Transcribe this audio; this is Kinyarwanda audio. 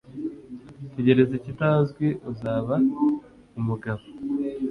tegereza ikitazwi uzaba umugabo we